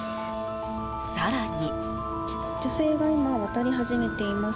更に。